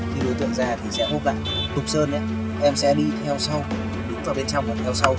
khi đối tượng ra thì sẽ hút lại tục sơn nhé em sẽ đi theo sau đứng vào bên trong theo sau